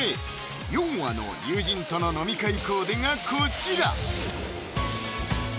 ヨンアの友人との飲み会コーデがこちら！